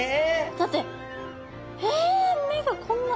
だってえ目がこんな。